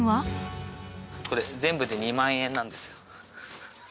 これ全部で２万円なんですよ。